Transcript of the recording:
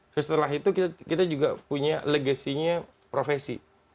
setelah itu kita juga punya legasinya profesi